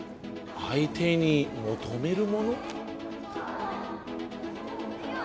相手に求めるもの？